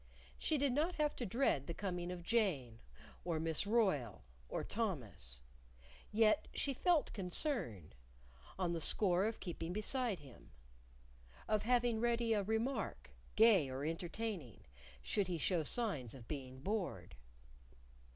She did not have to dread the coming of Jane, or Miss Royle, or Thomas. Yet she felt concern on the score of keeping beside him; of having ready a remark, gay or entertaining, should he show signs of being bored.